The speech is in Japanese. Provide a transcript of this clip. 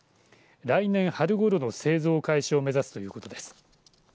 来年春ごろの製造開始を目指すということです。